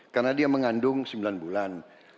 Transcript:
karena dia mengandung sembilan bulan